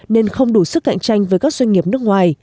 nên không đủ sức cạnh tranh với các doanh nghiệp nước ngoài